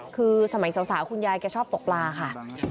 คือสมัยสาวคุณยายแกชอบตกปลาค่ะ